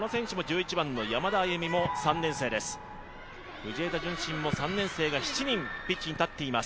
藤枝順心も３年生が７人ピッチに立っています。